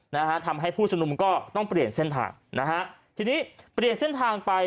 นะฮะทำให้ผู้ชมนุมก็ต้องเปลี่ยนเส้นทางนะฮะทีนี้เปลี่ยนเส้นทางไป